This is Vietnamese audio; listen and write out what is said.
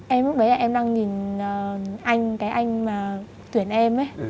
em lúc đấy là em đang nhìn anh cái anh mà tuyển em ấy